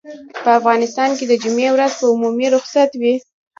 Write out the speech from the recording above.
په افغانستان کې د جمعې پر ورځ عمومي رخصت وي.